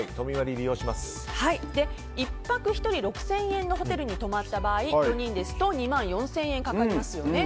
１泊１人６０００円のホテルに泊まった場合、４人ですと２万４０００円かかりますよね。